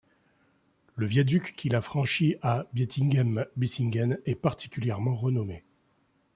Le viaduc qui la franchit à Bietigheim-Bissingen est particulièrement renommé.